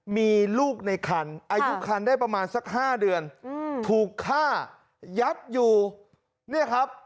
มีลูกในคันอายุคันได้ประมาณสัก๕เดือนถูกฆ่ายัดอยู่เนี่ยครับ